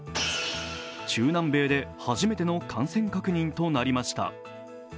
中南米で初めての感染確認となりました。